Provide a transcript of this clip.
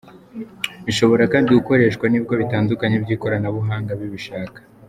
Ishobora kandi gukoreshwa n’ibigo bitandukanye by’ikoranabuhanga bibishaka.